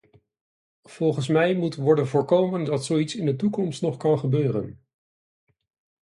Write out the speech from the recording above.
Volgens mij moet worden voorkomen dat zoiets in de toekomst nog kan gebeuren.